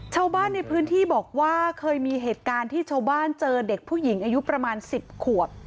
ชาวบ้านในพื้นที่บอกว่าเคยมีเหตุการณ์ที่ชาวบ้านเจอเด็กผู้หญิงอายุประมาณ๑๐ขวบ